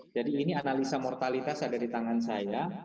jadi ini analisa mortalitas ada di tangan saya